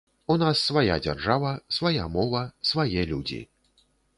У нас свая дзяржава, свая мова, свае людзі.